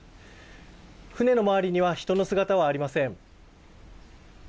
船の周りには人の姿はありません。